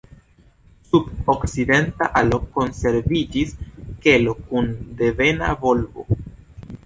Sub okcidenta alo konserviĝis kelo kun devena volbo.